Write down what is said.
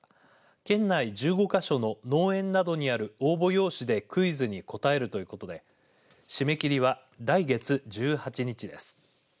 県内１５か所の農園などにある応募用紙でクイズに答えるということで締め切りは来月１８日です。